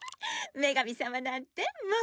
女神さまなんてもう。